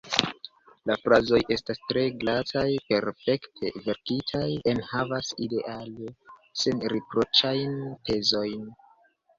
La frazoj estas tre glataj, perfekte verkitaj, enhavas ideale senriproĉajn tezojn.